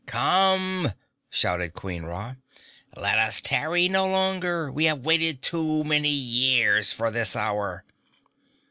"Come!" shouted Queen Ra. "Let us tarry no longer. We have waited too many years for this hour!"